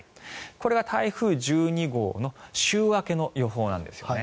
これが台風１２号の週明けの予報なんですよね。